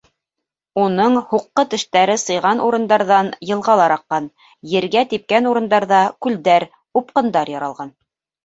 Уның һуҡҡы тештәре сыйған урындарҙан йылғалар аҡҡан, ергә типкән урындарҙа күлдәр, упҡындар яралған.